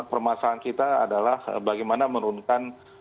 permasalahan kita adalah bagaimana menurunkan